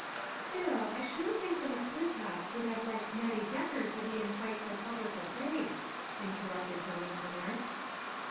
" Still, I shouldn't think the McClintocka would have liked Nettie Decker to be in quite so public a place," interrupted her listener.